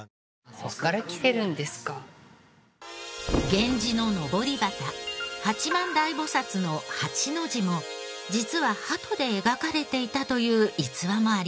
源氏ののぼり旗八幡大菩薩の「八」の字も実は鳩で描かれていたという逸話もあります。